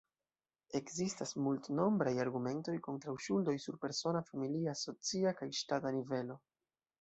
Ekzistaj multnombraj argumentoj kontraŭ ŝuldoj sur persona, familia, socia kaj ŝtata nivelo.